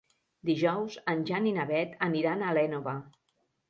Dijous en Jan i na Beth aniran a l'Énova.